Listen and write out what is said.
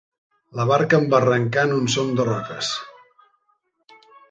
La barca embarrancà en un som de roques.